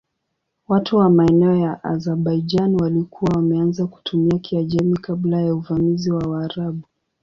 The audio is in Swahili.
Watu wa maeneo ya Azerbaijan walikuwa wameanza kutumia Kiajemi kabla ya uvamizi wa Waarabu.